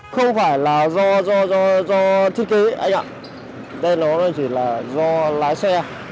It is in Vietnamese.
không phải là do thiết kế anh ạ đây nó chỉ là do lái xe